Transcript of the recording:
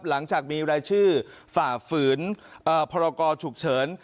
หลังจากมีรายชื่อฝ่าฝืนพรกรฉุกเฉิน